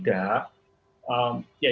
karena kalau tidak